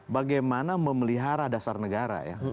bagaimana memelihara dasar negara ya